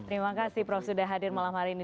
terima kasih prof sudah hadir malam hari ini